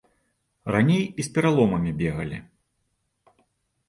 Раней і з пераломамі бегалі.